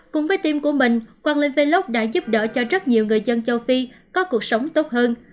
cùng với team của mình quang linh vlog đã giúp đỡ cho rất nhiều người dân châu phi có cuộc sống tốt hơn